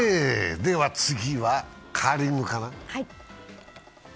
では次はカーリングかな？